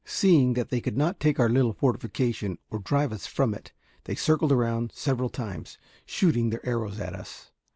Seeing that they could not take our little fortification or drive us from it, they circled around several times, shooting their arrows at us.